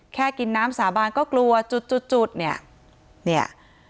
แค่กินน้ำสาบานก็กลัวจุดเนี่ย